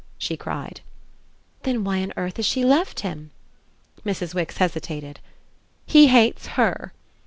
she cried. "Then why on earth has she left him?" Mrs. Wix hesitated. "He hates HER.